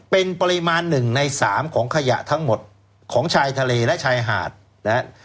เป็นปริมาณ๑ใน๓ของขยะทั้งหมดของชายทะเลและชายหาดนะครับ